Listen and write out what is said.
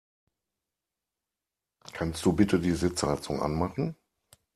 Kannst du bitte die Sitzheizung anmachen?